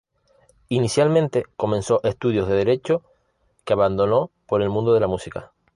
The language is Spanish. Inicialmente comenzó estudios de Derecho que abandonó por el mundo de la música.